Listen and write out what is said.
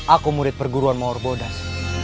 aku murid perguruan mawar bodas